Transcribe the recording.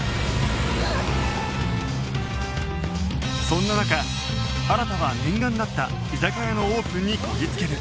そんな中新は念願だった居酒屋のオープンにこぎ着ける